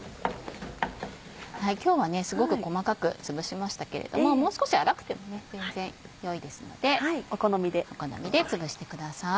今日はすごく細かくつぶしましたけれどももう少し粗くても全然よいですのでお好みでつぶしてください。